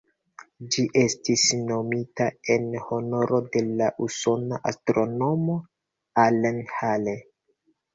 Ĝi estis nomita en honoro de la usona astronomo Alan Hale.